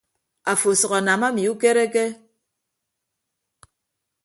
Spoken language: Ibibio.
Afo asʌk anam ami ukereke.